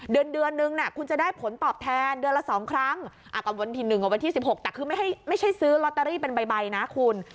เดือนเดือนนึงคุณจะได้ผลตอบแทนเดือนละ๒ครั้งกับวันที่๑กับวันที่๑๖แต่คือไม่ใช่ซื้อลอตเตอรี่เป็นใบนะคุณ